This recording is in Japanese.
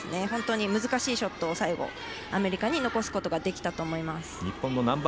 本当に難しいショットをアメリカに残すことができたと思います。